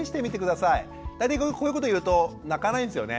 大体こういうこと言うと泣かないんですよね。